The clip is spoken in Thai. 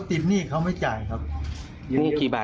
พื้นมีทะเบียนอยู่แล้ว